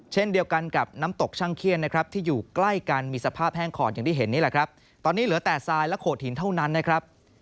เช่นเดียวกันกับน้ำตกช่างเขี้ยนนะครับที่อยู่ใกล้กันมีสภาพแห้งขอดอย่างที่เห็นนี่แหละครับตอนนี้เหลือแต่ทรายและโขดหินเท่านั้นนะครับ